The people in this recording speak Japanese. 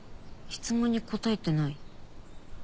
質問に答えてない。